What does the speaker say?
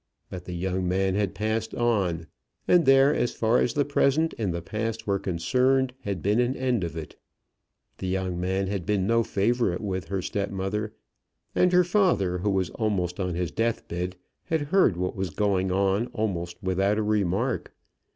But the young man had passed on, and there, as far as the present and the past were concerned, had been an end of it. The young man had been no favourite with her step mother; and her father, who was almost on his death bed, had heard what was going on almost without a remark.